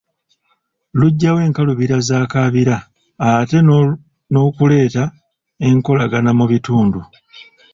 Luggyawo enkalubira z'akabira ate n’okuleeta enkolagana mu bitundu.